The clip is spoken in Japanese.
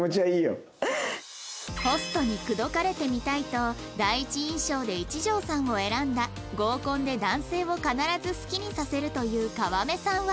ホストに口説かれてみたいと第一印象で一条さんを選んだ合コンで男性を必ず好きにさせるという川目さんは